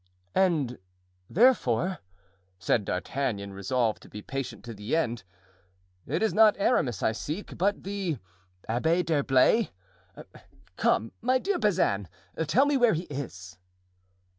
"And therefore," said D'Artagnan, resolved to be patient to the end, "it is not Aramis I seek, but the Abbé d'Herblay. Come, my dear Bazin, tell me where he is."